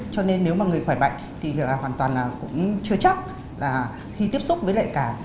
cho nên nếu mà người khỏe bệnh thì hoàn toàn là cũng chưa chắc là khi tiếp xúc với lại cả